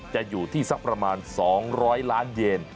จะอยู่ที่สักประมาณ๒๐๐ล้านเยน